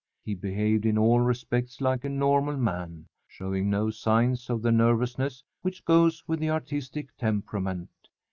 He behaved in all respects like a normal man, showing no signs of the nervousness which goes with the artistic temperament.